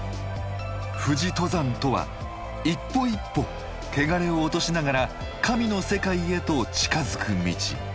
富士登山とは一歩一歩汚れを落としながら神の世界へと近づく道。